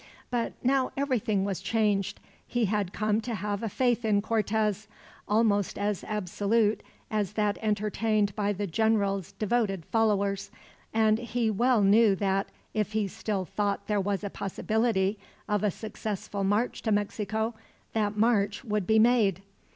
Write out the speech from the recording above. But now everything was changed. He had come to have a faith in Cortez, almost as absolute as that entertained by the general's devoted followers; and he well knew that, if he still thought there was a possibility of a successful march to Mexico, that march would be made.